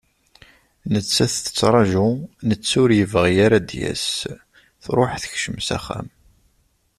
Nettat tettraju, netta ur yebɣi ara ad d-yas, truḥ tekcem s axxam.